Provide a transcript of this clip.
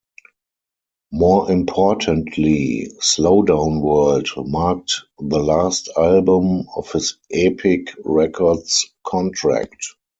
More importantly, "Slow Down World" marked the last album of his Epic Records contract.